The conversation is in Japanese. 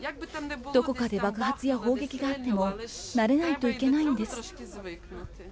どこかで爆発や砲撃があっても、慣れないといけないんです。